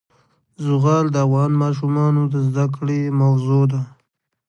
زغال د افغان ماشومانو د زده کړې موضوع ده.